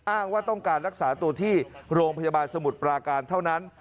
อ้างว่าต้องการรักษาตัวที่โรงพยาบาลสมุทรปราการเท่านั้น